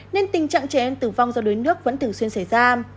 nên tình trạng trẻ em tử vong do đuối nước vẫn thường xuyên xảy ra